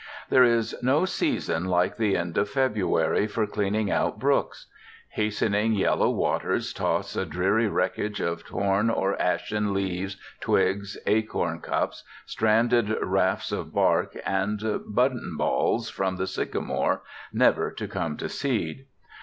There is no season like the end of February for cleaning out brooks. Hastening yellow waters toss a dreary wreckage of torn or ashen leaves, twigs, acorn cups, stranded rafts of bark, and buttonballs from the sycamore, never to come to seed.